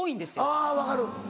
あぁ分かる。